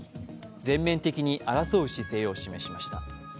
全面的に争う姿勢を示しました。